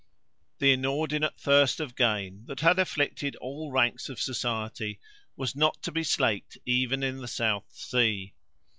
"_ The inordinate thirst of gain that had afflicted all ranks of society was not to be slaked even in the South Sea.